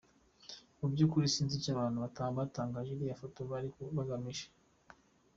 Mu by’ukuri sinzi icyo abantu batangaje iriya foto bari bagamije.